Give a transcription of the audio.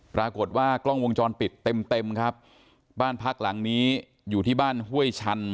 ปรากฏว่ากล้องวงจรปิดเต็มเต็มครับบ้านพักหลังนี้อยู่ที่บ้านห้วยชัน